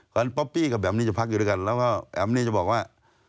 งั้นป๊อปปี้กับแมมนี้จะพักอยู่ด้วยกันแล้วก็แอมนี่จะบอกว่า